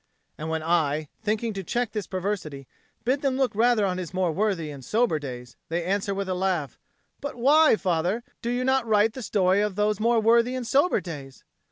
And when I, thinking to check this perversity, bid them look rather on his more worthy and sober days, they answer with a laugh, "But why, father, do you not write the story of those more worthy and sober days?"